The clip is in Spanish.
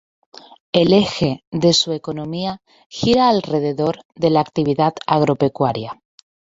El eje de su economía gira alrededor de la actividad agropecuaria.